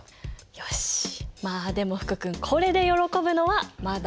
よしまあでも福くんこれで喜ぶのはまだ早い。